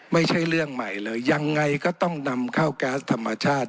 ไม่ใช่เรื่องใหม่เลยยังไงก็ต้องนำเข้าแก๊สธรรมชาติ